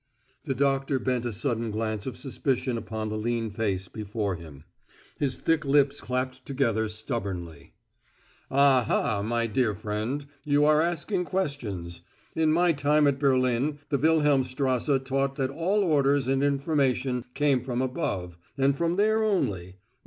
The doctor bent a sudden glance of suspicion upon the lean face before him. His thick lips clapped together stubbornly. "Aha, my dear friend; you are asking questions. In my time at Berlin the Wilhelmstrasse taught that all orders and information came from above and from there only.